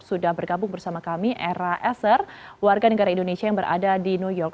sudah bergabung bersama kami era eser warga negara indonesia yang berada di new york